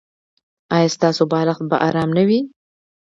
ایا ستاسو بالښت به ارام نه وي؟